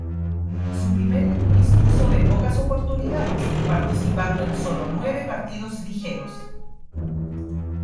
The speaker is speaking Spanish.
En su primer año dispuso de pocas oportunidades, participando en sólo nueve partidos ligueros.